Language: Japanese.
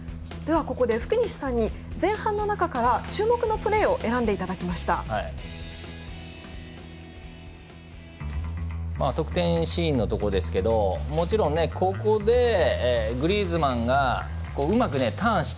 ここで福西さんに前半の中から注目のプレーを得点シーンのところですがもちろん、ここでグリーズマンがうまくターンした。